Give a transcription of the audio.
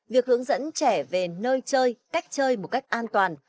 việc hướng dẫn trẻ về nơi chơi cách chơi một cách an toàn